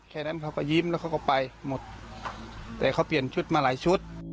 แค่นั้นเขาก็ยิ้มแล้วเขาก็ไปหมดแต่เขาเปลี่ยนชุดมาหลายชุด